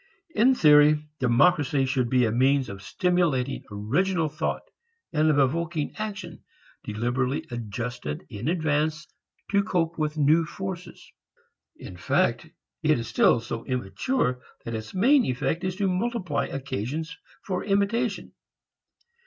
In theory, democracy should be a means of stimulating original thought, and of evoking action deliberately adjusted in advance to cope with new forces. In fact it is still so immature that its main effect is to multiply occasions for imitation.